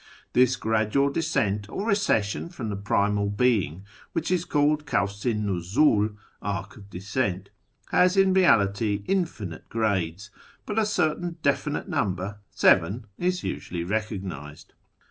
This gradual descent or recession from the Primal Being, which is called the Kaivs i Nuziil (" Arc of Descent "), has in reality infinite grades, but a certain definite number (seven) is usually recognised.